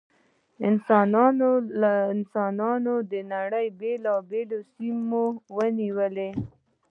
انسانانو د نړۍ بېلابېلې سیمې ونیولې.